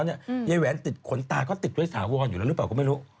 ยายแหวนติดขนตาก็ติดด้วยถาวรอยู่แล้วหรือเปล่าก็ไม่รู้